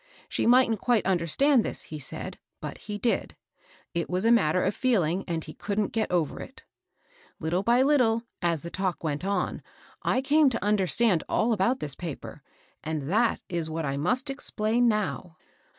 She mightn't quite understand this, he said, but he did. It was a matter of feel ing, and he couldn't get over it. Little by little, as the talk went on, I came to understand all ab'Y't tiiis paper ; and that is what I must explain now.